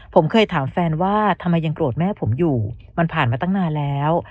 ผมเคยถามแฟนว่าทำไมยังโกรธแม่ผมอยู่มันผ่านมาตั้งนานแล้ว